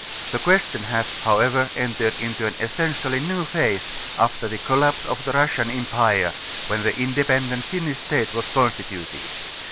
The question has however entered into an essentially new phase after the collapse of the Russian empire, when the independent Finnish State was constituted.